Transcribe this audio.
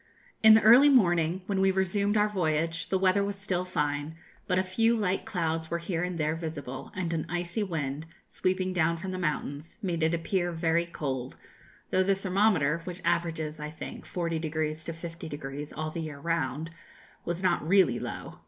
In the early morning, when we resumed our voyage, the weather was still fine; but a few light clouds were here and there visible, and an icy wind, sweeping down from the mountains, made it appear very cold, though the thermometer which averages, I think, 40° to 50° all the year round was not really low.